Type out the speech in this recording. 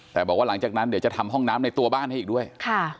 แต่บอกว่าหลังจากนั้นเดี๋ยวจะทำห้องน้ำในตัวบ้านให้อีกด้วยค่ะ